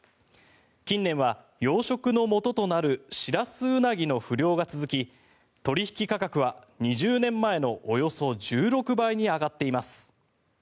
近年は養殖のもととなるシラスウナギの不漁が続き取引価格は２０年前のおよそ１６倍に上がっています。